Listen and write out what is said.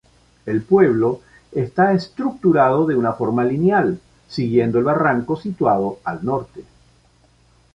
El pueblo está estructurado de una forma lineal, siguiendo el barranco situado al norte.